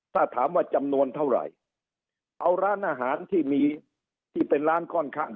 ถ้าถามว่าจำนวนเท่าไหร่เอาร้านอาหารที่มีที่เป็นร้านค่อนข้าง